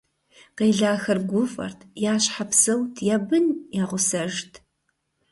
Къелахэр гуфӀэрт, я щхьэ псэут, я бын я гъусэжт.